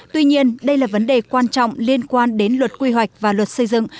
tuy nhiên đây là vấn đề quan trọng liên quan đến luật quy hoạch và luật xây dựng